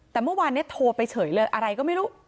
แต่เมื่อวานนี้โทรไปเฉยเลยอะไรก็ไม่รู้